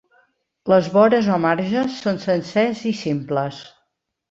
Les vores o marges són sencers i simples.